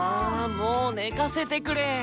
もう寝かせてくれ。